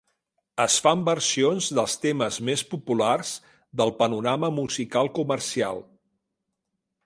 Es fan versions dels temes més populars del panorama musical comercial.